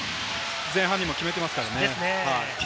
前半にも決めていますからね。